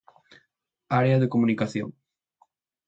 Área de Comunicación.